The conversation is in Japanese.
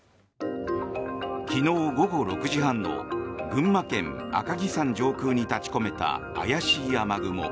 昨日午後６時半の群馬県・赤城山上空に立ち込めた怪しい雨雲。